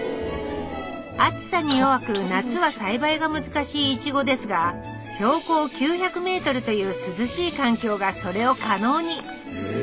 暑さに弱く夏は栽培が難しいイチゴですが標高９００ｍという涼しい環境がそれを可能に。